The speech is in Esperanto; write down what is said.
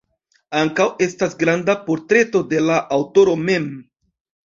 Ankaŭ estas granda portreto de la aŭtoro mem.